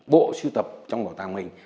bộ siêu tập trong bảo tàng mình